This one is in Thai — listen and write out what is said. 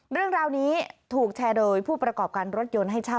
เรื่องราวนี้ถูกแชร์โดยผู้ประกอบการรถยนต์ให้เช่า